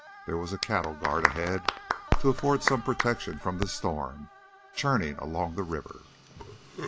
There was a cattle guard ahead to afford some protection from the storm churning along the river.